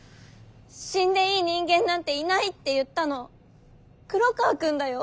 死んでいい人間なんていないって言ったの黒川くんだよ？